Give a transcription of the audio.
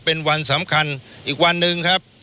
เป็นวันสำคัญอีกวันหนึ่งครับ